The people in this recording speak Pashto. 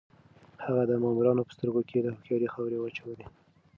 هغه د مامورانو په سترګو کې د هوښيارۍ خاورې واچولې.